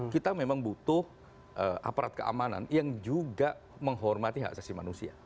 kita memang butuh aparat keamanan yang juga menghormati hak asasi manusia